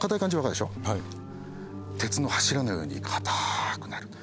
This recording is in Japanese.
鉄の柱のように硬くなる。